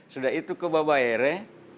sudah itu ke babayere